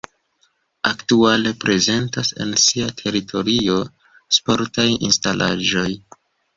Aktuale prezentas en sia teritorio sportaj instalaĵoj.